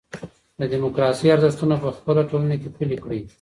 د ډيموکراسۍ ارزښتونه په خپله ټولنه کي پلي کړئ.